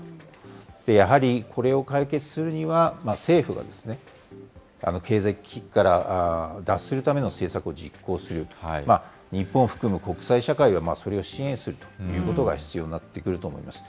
やはりこれを解決するには、政府が経済危機から脱するための政策を実行する、日本含む国際社会がそれを支援するということが必要になってくると思います。